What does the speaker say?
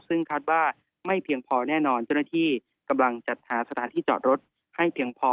ซึ่งคาดว่าไม่เพียงพอแน่นอนเจ้าหน้าที่กำลังจัดหาสถานที่จอดรถให้เพียงพอ